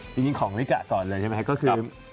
จริงของลิกะก่อนเลยใช่ไหมครับก็คือ